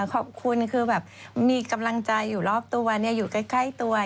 ขอบคุณคือแบบมีกำลังใจอยู่รอบตัวอยู่ใกล้ตัว